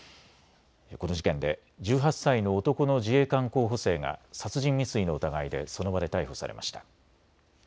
この事件で１８歳の男の自衛官候補生が殺人未遂の疑いでその場で逮捕されました。